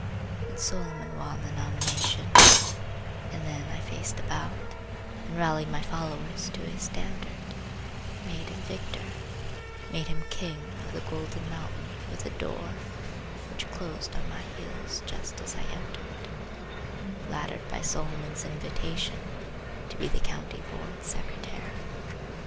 But Solomon won the nomination; And then I faced about, And rallied my followers to his standard, And made him victor, made him King Of the Golden Mountain with the door Which closed on my heels just as I entered, Flattered by Solomon's invitation, To be the County—board's secretary.